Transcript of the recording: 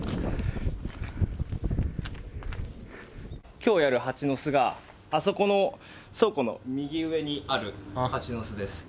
今日やる蜂の巣があそこの倉庫の右上にある蜂の巣です。